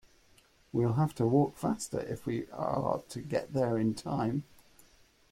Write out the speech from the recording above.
We'll have to walk faster if we are to get there in time.